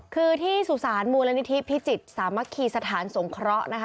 คือที่สุสานมูลนิธิพิจิตรสามัคคีสถานสงเคราะห์นะคะ